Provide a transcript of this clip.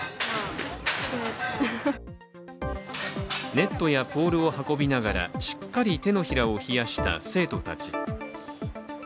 ネットやポールを運びながらしっかり手のひらを冷やした生徒たち。